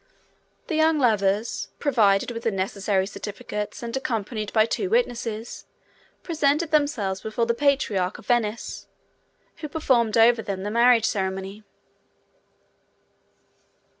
The young lovers, provided with the necessary certificates and accompanied by two witnesses, presented themselves before the Patriarch of Venice, who performed over them the marriage ceremony.